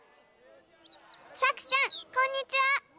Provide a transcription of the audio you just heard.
さくちゃんこんにちは！